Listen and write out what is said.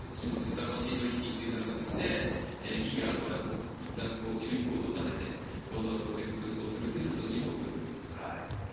疑わしい取引という形で疑義がある場合はいったん注意行動を立てて口座を凍結するという措置を取ります。